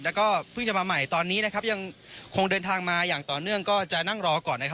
แล้วก็เพิ่งจะมาใหม่ตอนนี้นะครับยังคงเดินทางมาอย่างต่อเนื่องก็จะนั่งรอก่อนนะครับ